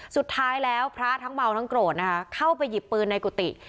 สุดท้ายแล้วพระทั้งเมาทั้งโกรธนะคะเข้าไปหยิบปืนในกุฏิ